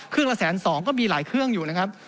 เครื่องละ๑๒๐๐๐๐ก็มีหลายเครื่องอยู่นะครับ